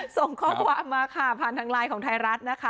ส่งข้อความมาผ่านทางไลน์ของไทยรัฐ